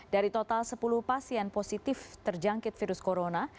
dari total sepuluh pasien positif terjangkit virus corona